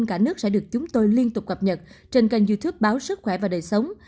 hình dịch bệnh trên cả nước sẽ được chúng tôi liên tục cập nhật trên kênh youtube báo sức khỏe và đời sống